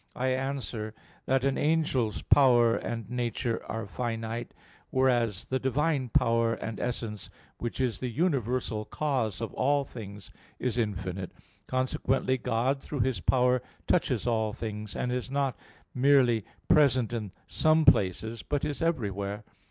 I answer that, An angel's power and nature are finite, whereas the Divine power and essence, which is the universal cause of all things, is infinite: consequently God through His power touches all things, and is not merely present in some places, but is everywhere.